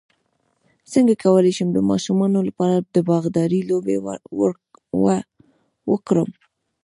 څنګه کولی شم د ماشومانو لپاره د باغدارۍ لوبې وکړم